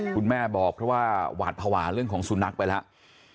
คุณแม่บอกเพราะว่าหวาดภาวะเรื่องของสุนัขไปแล้ว